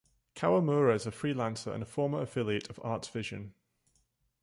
Kawamura is a freelancer and a former affiliate of Arts Vision.